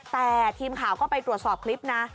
แต่ทีมข่าวก็ไปตรวจสอบคลิปนะ